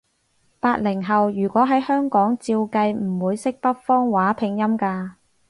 八零後，如果喺香港，照計唔會識北方話拼音㗎